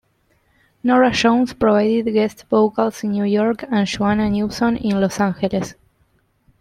Norah Jones provided guest vocals in New York and Joanna Newsom in Los Angeles.